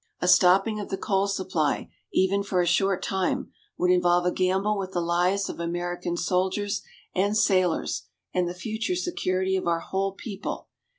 A stopping of the coal supply, even for a short time, would involve a gamble with the lives of American soldiers and sailors and the future security of our whole people.